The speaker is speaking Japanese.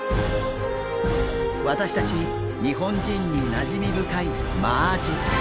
私たち日本人になじみ深いマアジ。